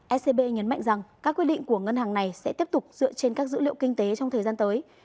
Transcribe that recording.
ecb nhấn mạnh rằng các quy định của ngân hàng này sẽ tiếp tục dựa trên các dữ liệu kinh tế trong thời gian tới